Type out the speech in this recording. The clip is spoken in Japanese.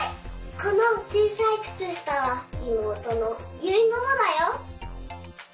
このちいさいくつしたはいもうとのゆいののだよ。